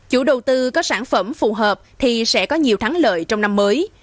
chủ đầu tư có sản phẩm phù hợp thì sẽ có nhiều thắng lợi trong năm mới